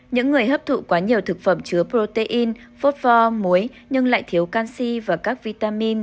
những người hấp thụ quá nhiều thực phẩm chứa protein fotfor muối nhưng lại thiếu canxi và các vitamin